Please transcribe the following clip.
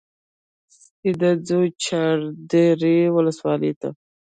سیده ځو چاردرې ولسوالۍ ته.